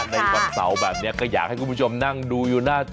ในวันเสาร์แบบนี้ก็อยากให้คุณผู้ชมนั่งดูอยู่หน้าจอ